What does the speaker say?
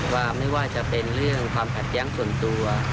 ว่าไม่ว่าจะเป็นเรื่องความขัดแย้งส่วนตัว